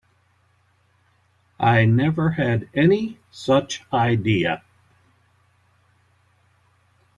I never had any such idea.